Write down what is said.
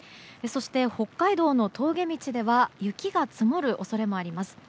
そして、北海道の峠道では雪が積もる恐れもあります。